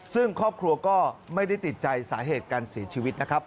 ซึ่งครอบครัวก็ไม่ได้ติดใจสาเหตุการเสียชีวิตนะครับ